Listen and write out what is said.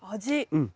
うん。